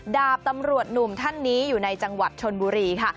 ดาบตำรวจหนุ่มท่านนี้อยู่ในจังหวัดชนบุรีค่ะ